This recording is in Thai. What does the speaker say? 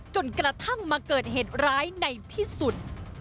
จนกระทั่งมาเกิดเหตุร้ายในที่สุด